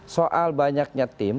soal banyaknya tim